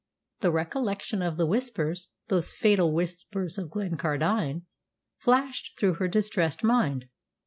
The recollection of the Whispers those fatal Whispers of Glencardine flashed through her distressed mind.